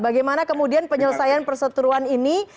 bagaimana kemudian penyelesaian perseteruan ini